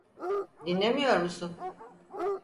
Dinlemiyor musun?